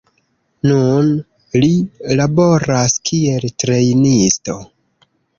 Nun li laboras kiel trejnisto.